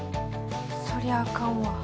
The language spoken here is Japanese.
そりゃあかんわ。